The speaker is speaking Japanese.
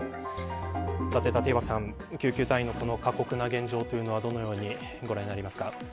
さて立岩さん救急隊員の過酷な現状というのはどのように、ご覧になりますか。